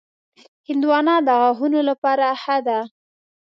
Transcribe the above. هندوانه د غاښونو لپاره ښه ده.